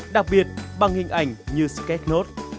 đặc biệt bằng hình ảnh như sketch note